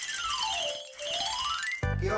いくよ！